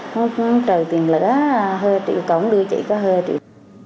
hắn trời tiền lửa hơi triệu cống đưa trị có hơi triệu